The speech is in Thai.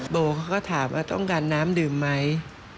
โบเขาก็ถามว่าต้องการน้ำดื่มไหม